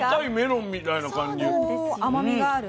甘みがある？